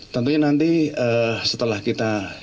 tentunya nanti setelah kita